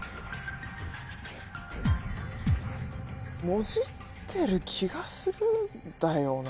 もじってる気がするんだよな。